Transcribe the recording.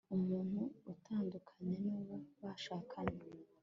umuntu utandukanye nu wo bashakanye